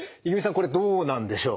これどうなんでしょう？